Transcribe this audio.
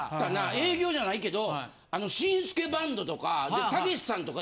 営業じゃないけど紳助バンドとかたけしさんとか。